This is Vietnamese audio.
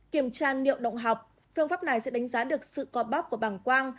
kiểm tra niệm động học phương pháp này sẽ đánh giá được sự co bóp của bảng quang